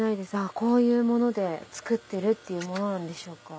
こういうもので作ってるっていうものなんでしょうか。